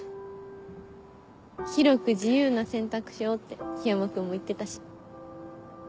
「広く自由な選択肢を」って緋山君も言ってたし。